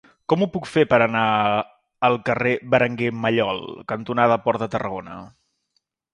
Com ho puc fer per anar al carrer Berenguer Mallol cantonada Port de Tarragona?